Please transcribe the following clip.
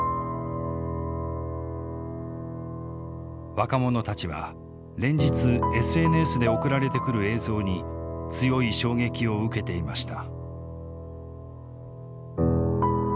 若者たちは連日ＳＮＳで送られてくる映像に強い衝撃を受けていました。